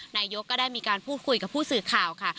นายกก็ได้มีการพูดคุยกับผู้สื่อข่าวค่ะ